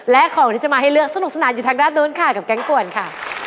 และของที่จะมาให้เลือกสนุกสนานอยู่ทางด้านนู้นค่ะกับแก๊งป่วนค่ะ